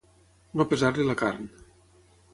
No pesar-li la carn.